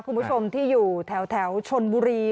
คุณผู้ชมที่อยู่แถวชนบุรี